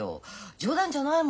冗談じゃないもの。